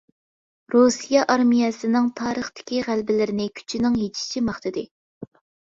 رۇسىيە ئارمىيەسىنىڭ تارىختىكى غەلىبىلىرىنى كۈچىنىڭ يېتىشىچە ماختىدى.